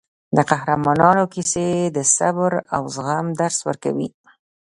د قهرمانانو کیسې د صبر او زغم درس ورکوي.